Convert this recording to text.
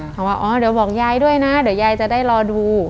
เขาว่าอ๋อเดี๋ยวบอกยายด้วยนะเดี๋ยวยายจะได้รอดู